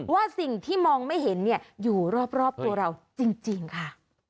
ว่าสิ่งที่มองไม่เห็นอยู่รอบตัวเราจริงค่ะ